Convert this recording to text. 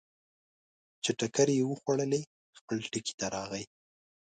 چې ټکرې یې وخوړلې، خپل ټکي ته راغی.